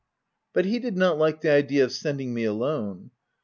But he did not like the idea of sending me o alone.